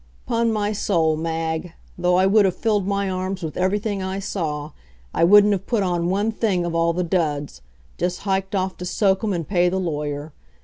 'Pon my soul, Mag, though I would have filled my arms with everything I saw, I wouldn't have put on one thing of all the duds; just hiked off to soak 'em and pay the lawyer.